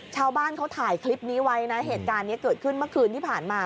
ชาวบ้านเขาถ่ายคลิปนี้ไว้นะเหตุการณ์นี้เกิดขึ้นเมื่อคืนที่ผ่านมา